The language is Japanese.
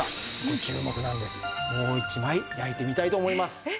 もう一枚焼いてみたいと思います。